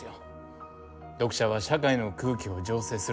読者は社会の空気を醸成する。